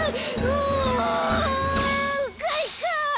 うんかいか！